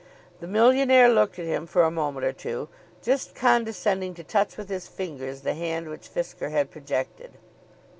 The millionaire looked at him for a moment or two, just condescending to touch with his fingers the hand which Fisker had projected.